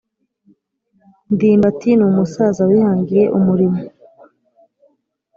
Ndimbati numusaza wihangiye umurimo